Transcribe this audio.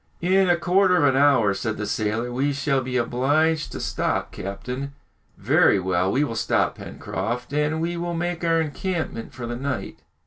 "In a quarter of an hour," said the sailor, "we shall be obliged to stop, captain." "Very well, we will stop, Pencroft, and we will make our encampment for the night."